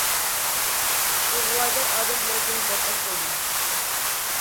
ئىغۋاگەر ئادەم بىلەن سۆھبەتداش بولما.